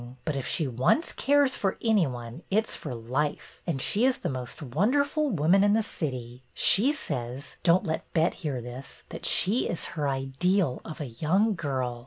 But if she once cares for any one it 's for life, and she is the most wonderful woman m the city. She says — don't let Bet hear this — that she is her ideal of a young girl.